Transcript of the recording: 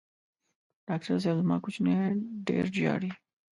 ډاکټر صېب زما کوچینی ډېر ژاړي